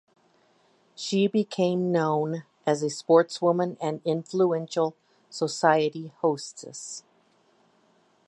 She became known as a sportswoman and influential society hostess.